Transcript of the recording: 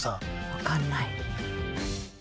分かんない。